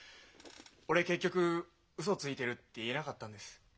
俺結局「ウソついてる」って言えなかったんです。